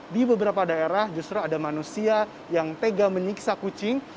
di beberapa daerah justru ada manusia yang tega menyiksa kucing